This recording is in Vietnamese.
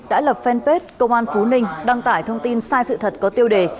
đã lập fanpage công an phú ninh đăng tải thông tin sai sự thật có tiêu đề